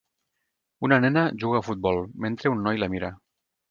una nena juga a futbol mentre un noi la mira.